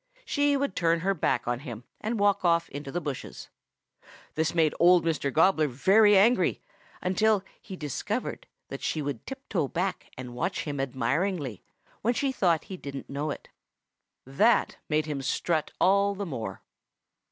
She would turn her back on him and walk off into the bushes. This made Old Mr. Gobbler very angry until he discovered that she would tiptoe back and watch him admiringly when she thought he didn't know it. That made him strut all the more.